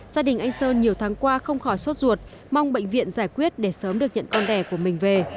gia đình anh sơn nhiều tháng qua không khỏi suốt ruột mong bệnh viện giải quyết để sớm được nhận con đẻ của mình về